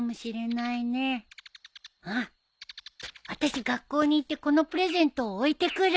あたし学校に行ってこのプレゼントを置いてくる。